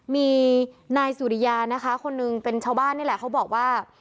มีนายสุริยานะคะคนหนึ่งเป็นชาวบ้านนี่แหละเขาบอกว่า